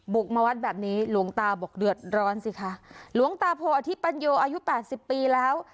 บุกมาวัดแบบนี้หลวงตาบอกเดือดร้อนสิคะหลวงตาโพออธิปัญโยอายุแปดสิบปีแล้ว